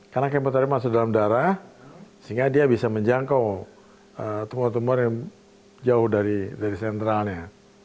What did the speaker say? karena kemoterapi masuk dalam darah sehingga dia bisa menjangkau tumor tumor yang jauh dari sentralnya